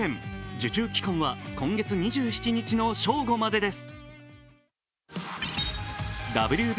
受注期間は今月２７日の正午までです。